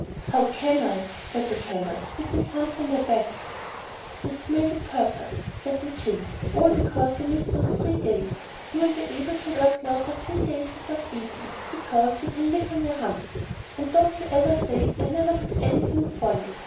'How can I,' said the Camel, 'with this humph on my back?' 'That's made a purpose,' said the Djinn, 'all because you missed those three days. You will be able to work now for three days without eating, because you can live on your humph; and don't you ever say I never did anything for you.